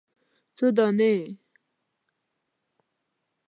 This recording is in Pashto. _څو دانې ؟